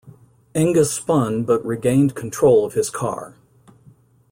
Enge spun but regained control of his car.